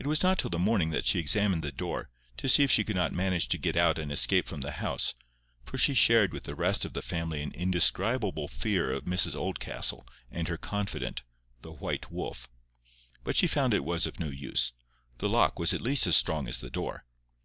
It was not till the morning that she examined the door, to see if she could not manage to get out and escape from the house, for she shared with the rest of the family an indescribable fear of Mrs Oldcastle and her confidante, the White Wolf. But she found it was of no use: the lock was at least as strong as the door.